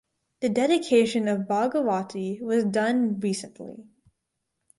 The dedication of Bhagavathi was done recently.